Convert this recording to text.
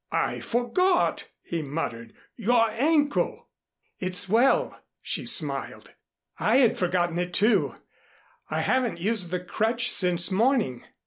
"I forgot," he muttered. "Your ankle!" "It's well," she smiled. "I had forgotten it, too. I haven't used the crutch since morning."